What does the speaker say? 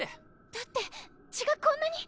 だって血がこんなに！